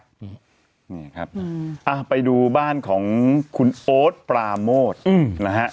นี่ครับไปดูบ้านของคุณโอ๊ตปราโมทนะฮะ